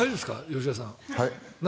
吉田さん